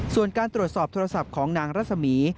ส่วนการตรวจสอบโทรศัพท์ของนางรัศมี